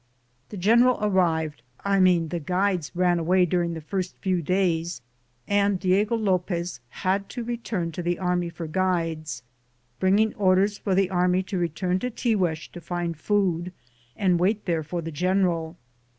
The general arrived — I mean, the guides ran away during the first few days and Diego Lopez had to return to the army for guides, bringing orders for the army to re turn to Tiguex to find food and wait there for the general.